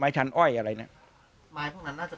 ไม้พวกนั้นน่าจะเป็นไม้ที่เขาเอามาทิ้งตรงไหนอยู่นะ